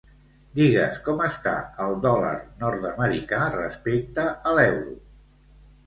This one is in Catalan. Digues com està el dòlar nord-americà respecte a l'euro?